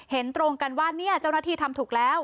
เห็นตรงกันว่าเนี่ยเจ้าหน้าที่ทำถูกแล้ว